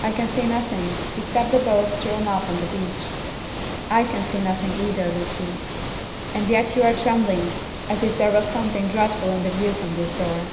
"I can see nothing, except the boats drawn up on the beach." "I can see nothing either, Lucy." "And yet you are trembling as if there was something dreadful in the view from this door."